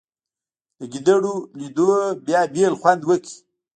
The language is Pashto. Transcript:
د ګېډړو لیدو بیا بېل خوند وکړ.